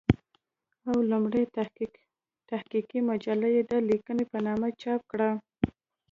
او لومړۍ تحقيقي مجله يې د "ليکنې" په نامه چاپ کړه